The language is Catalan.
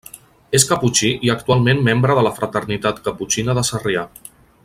És caputxí i actualment membre de la Fraternitat Caputxina de Sarrià.